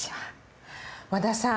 和田さん